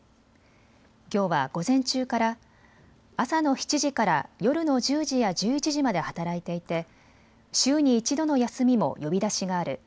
きょうは午前中から朝の７時から夜の１０時や１１時まで働いていて週に１度の休みも呼び出しがある。